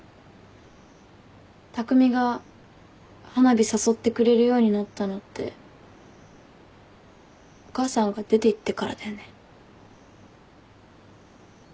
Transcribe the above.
匠が花火誘ってくれるようになったのってお母さんが出ていってからだよね。